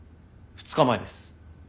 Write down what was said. ２日前です。